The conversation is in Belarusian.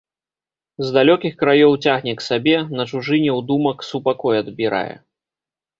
З далёкіх краёў цягне к сабе, на чужыне ў думак супакой адбірае.